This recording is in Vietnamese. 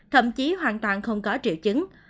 thậm chí hoàn toàn không có triệu chứng